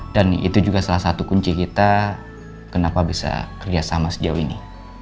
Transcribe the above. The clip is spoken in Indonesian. dan itu juga salah satu kunci kita kenapa bisa kerja sama sejauh ini